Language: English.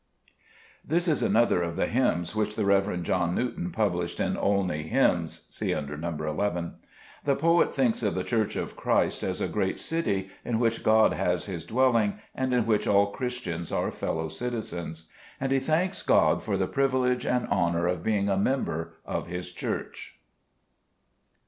This is another of the hymns which the Rev. John Newton published in " Olney Hymns" (see under Xo. II). The poet thinks of the Church of Christ as a great city in which God has His dwelling, and in which all Christians are fellow citizens. And he thanks God for the privilege and honor of being a member of His Church.